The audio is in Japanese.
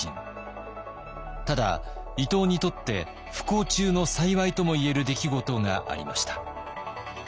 ただ伊藤にとって不幸中の幸いとも言える出来事がありました。